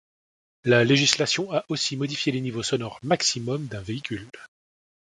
La législation a aussi modifié les niveaux sonores maximum d'un véhicule.